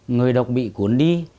người đọc bị cuốn đi